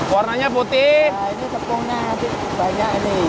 wah ini tepungnya banyak ini